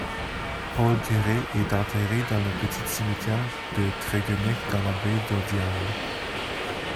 Paul Quéré est enterré dans le petit cimetière de Tréguennec dans la baie d'Audierne.